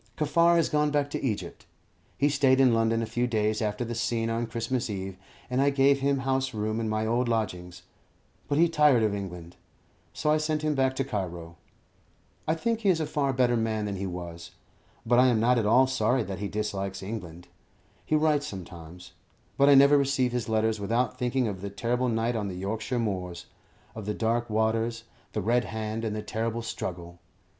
Kaffar has gone back to Egypt. He stayed in London a few days after the scene on Christmas Eve, and I gave him house room in my old lodgings; but he tired of England, so I sent him back to Cairo. I think he is a far better man than he was, but I am not at all sorry that he dislikes England. He writes sometimes, but I never receive his letters without thinking of the terrible night on the Yorkshire moors of the dark waters, the red hand, and the terrible struggle.